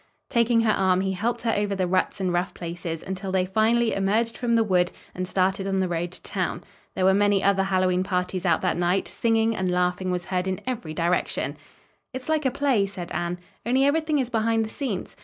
Taking her arm, he helped her over the ruts and rough places, until they finally emerged from the wood and started on the road to town. There were many other Hallowe'en parties out that night; singing and laughing was heard in every direction. "It's like a play," said Anne, "only everything is behind the scenes.